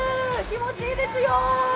気持ちいいですよ。